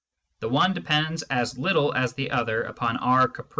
The one depends as little as the other upon our caprice.